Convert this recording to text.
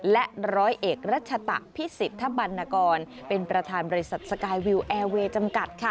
และร้อยเอกรัชตะพิสิทธบรรณกรเป็นประธานบริษัทสกายวิวแอร์เวย์จำกัด